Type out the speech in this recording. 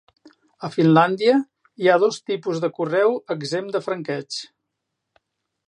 A Finlàndia, hi ha dos tipus de correu exempt de franqueig.